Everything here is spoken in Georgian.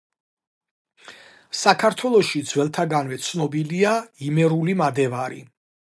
საქართველოში ძველთაგანვე ცნობილია იმერული მადევარი.